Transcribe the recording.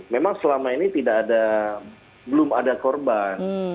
memang selama ini belum ada korban